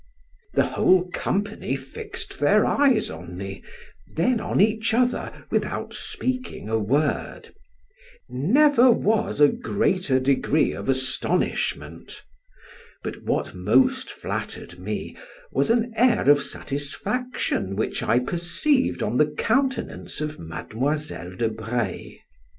The whole company fixed their eyes on me, then on each other, without speaking a word; never was a greater degree of astonishment; but what most flattered me, was an air of satisfaction which I perceived on the countenance of Mademoiselle de Breil.